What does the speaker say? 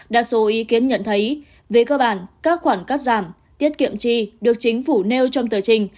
đa số ý kiến nhận thấy về cơ bản các khoản cắt giảm tiết kiệm chi được chính phủ nêu trong tờ trình